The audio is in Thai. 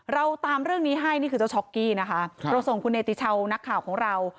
เราตามเรื่องนี้ให้นี่คือเจ้าช็อกกี้นะคะเราส่งคุณเนติชาวนักข่าวของเรา